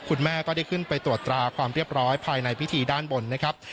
คุณแม่ก็ได้ขึ้นไปตรวจตราความเรียบร้อยภายในพิธีด้านบนนะครับ